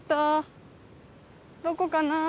どこかな？